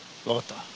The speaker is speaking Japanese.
わかった。